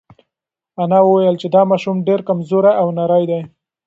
انا وویل چې دا ماشوم ډېر کمزوری او نری دی.